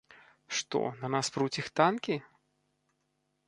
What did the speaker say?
Што, на нас пруць іх танкі?